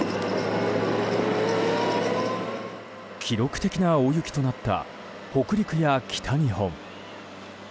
記録的な大雪となった北陸や北日本。